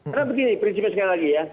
karena begini prinsipnya sekali lagi ya